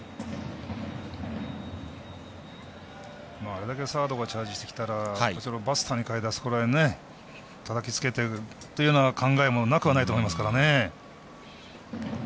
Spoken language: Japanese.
あれだけサードがチャージしてきたらバスターに変えてたたきつけてという考えも、なくはないと思いますからね。